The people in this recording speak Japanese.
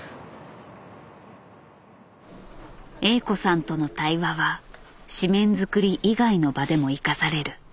Ａ子さんとの対話は誌面作り以外の場でも生かされる。